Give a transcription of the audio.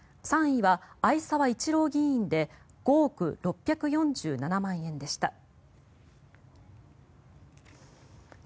３位は逢沢一郎議員で５億６４７万円でした。